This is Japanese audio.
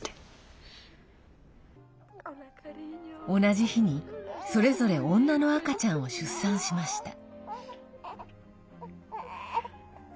同じ日に、それぞれ女の赤ちゃんを出産しました。